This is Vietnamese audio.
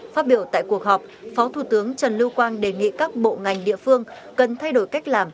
phát biểu tại cuộc họp phó thủ tướng trần lưu quang đề nghị các bộ ngành địa phương cần thay đổi cách làm